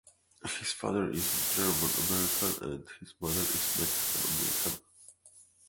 His father is German American and his mother is Mexican American.